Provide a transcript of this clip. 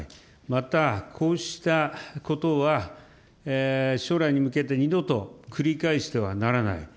また、こうしたことは将来に向けて二度と繰り返してはならない。